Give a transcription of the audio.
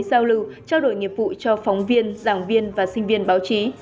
giao lưu trao đổi nghiệp vụ cho phóng viên giảng viên và sinh viên báo chí